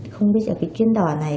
không biết chuyến đò này